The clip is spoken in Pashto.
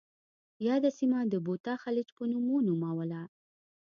یاده سیمه د بوتا خلیج په نوم ونوموله.